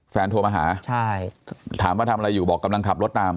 แฟนโทรมาหาตามทำอะไรอยู่บอกตรงกำลังขับรถตาม